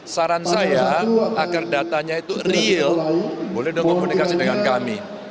saran saya agar datanya itu real boleh dong komunikasi dengan kami